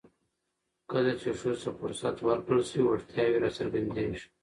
کله چې ښځو ته فرصت ورکړل شي، وړتیاوې راڅرګندېږي.